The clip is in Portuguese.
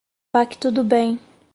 Pacto do bem